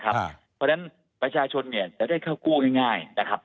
เพราะฉะนั้นประชาชนจะได้เข้ากู้ง่ายนะครับ